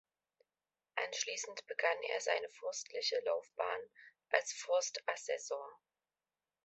Anschließend begann er seine forstliche Laufbahn als Forstassessor.